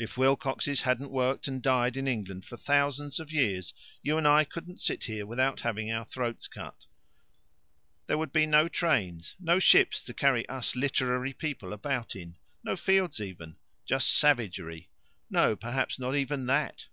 "If Wilcoxes hadn't worked and died in England for thousands of years, you and I couldn't sit here without having our throats cut. There would be no trains, no ships to carry us literary people about in, no fields even. Just savagery. No perhaps not even that.